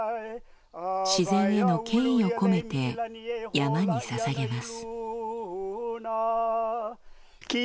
自然への敬意を込めて山に捧げます。